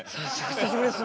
久しぶりです